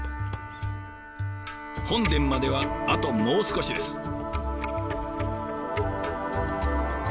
本殿まではあともう少しです。